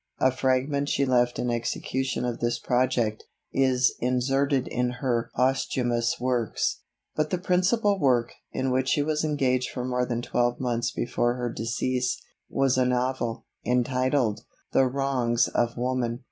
A fragment she left in execution of this project, is inserted in her Posthumous Works. But the principal work, in which she was engaged for more than twelve months before her decease, was a novel, entitled, The Wrongs of Woman.